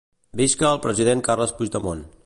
Visca el president Carles Puigdemont